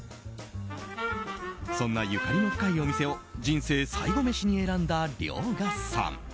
そんなゆかりの深いお店を人生最後メシに選んだ遼河さん。